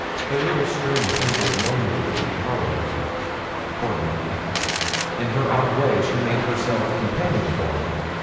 A little stream tinkled lonely through the hollow. Poor Milly! In her odd way she made herself companionable.